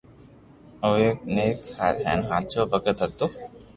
او ايڪ نيڪ ھين ھاچو ڀگت ھتو